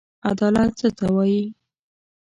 عدالت څه ته وايي؟